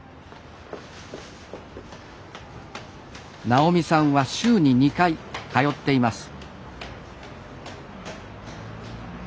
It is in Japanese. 直美さんは週に２回通っています。